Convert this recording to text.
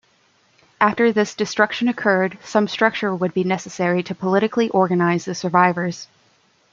After this destruction occurred, some structure would be necessary to politically organize the survivors.